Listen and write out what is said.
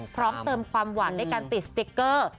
พร้อมเติมความหวานด้วยการติดสติ๊กเกอร์